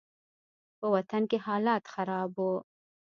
په وطن کښې حالات خراب وو.